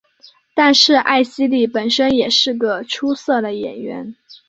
但是艾希莉本身也是个出色的演员。